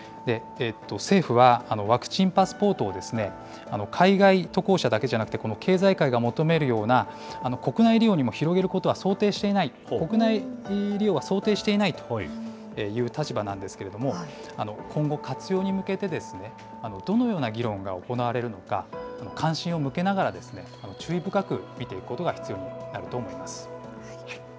政府はワクチンパスポートを海外渡航者だけじゃなくて、経済界が求めるような国内利用にも広げることは想定していない、国内利用は想定していないという立場なんですけれども、今後、活用に向けて、どのような議論が行われるのか、関心を向けながら、注意深く見ていくことが必要になると思います。